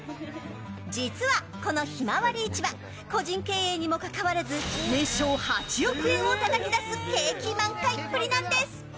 実はこのひまわり市場個人経営にもかかわらず年商８億円をたたき出す景気満開っぷりなんです。